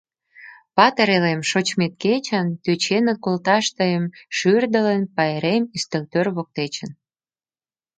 Патыр элем, шочмет кечын Тӧченыт колташ тыйым, шӱрдылын, Пайрем ӱстелтӧр воктечын.